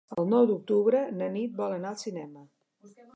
El nou d'octubre na Nit vol anar al cinema.